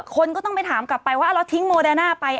คนก็ต้องไปถามกลับไปว่าเราทิ้งโมเดน่าไป